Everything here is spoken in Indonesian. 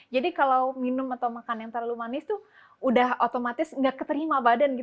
jadi kalau minum atau makan yang terlalu manis itu sudah otomatis tidak keterima badan